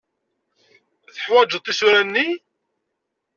Teḥwajeḍ tisura-nni?